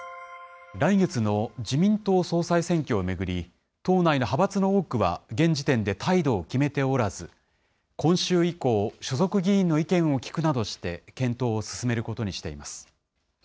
来月の自民党総裁選挙を巡り、党内の派閥の多くは現時点で態度を決めておらず、今週以降、所属議員の意見を聞くなどして検討を進めることにしています。